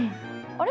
あれ？